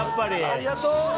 ありがとう！